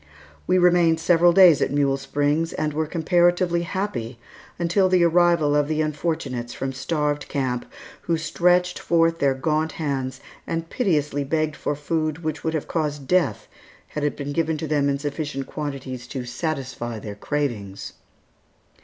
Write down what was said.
We remained several days at Mule Springs, and were comparatively happy until the arrival of the unfortunates from Starved Camp, who stretched forth their gaunt hands and piteously begged for food which would have caused death had it been given to them in sufficient quantities to satisfy their cravings.